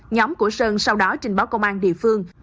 nhóm của sơn sau đó trình báo công an địa phương